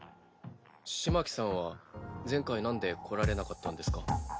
風巻さんは前回なんで来られなかったんですか？